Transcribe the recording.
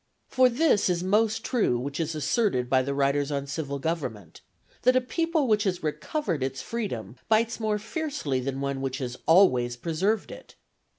For this is most true which is asserted by the writers on civil government, that a people which has recovered its freedom, bites more fiercely than one which has always preserved it.